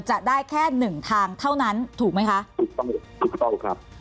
จะได้แค่๑ทางเท่านั้นถูกไหมคะถูกต้องครับ